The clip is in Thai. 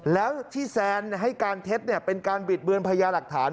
แล้วที่แซนให้การเท็จเป็นการบิดเบือนพญาหลักฐาน